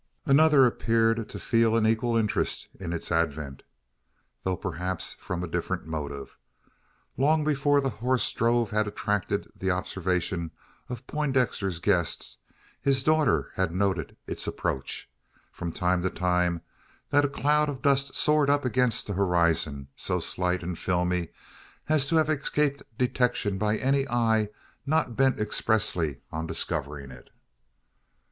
Another appeared to feel an equal interest in its advent, though perhaps from a different motive. Long before the horse drove had attracted the observation of Poindexter's guests, his daughter had noted its approach from the time that a cloud of dust soared up against the horizon, so slight and filmy as to have escaped detection by any eye not bent expressly on discovering it.